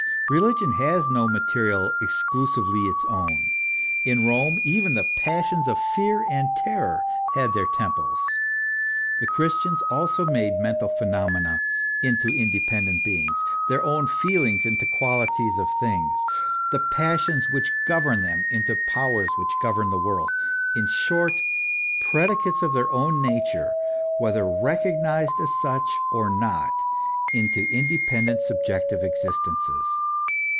Religion has no material exclusively its own. In Rome even the passions of fear and terror had their temples. The Christians also made mental phenomena into independent beings, their own feelings into qualities of things, the passions which governed them into powers which governed the world, in short, predicates of their own nature, whether reco gnized as such or not, into independent subjective existences.